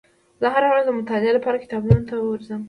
زه هره ورځ د مطالعې لپاره کتابتون ته ورځم.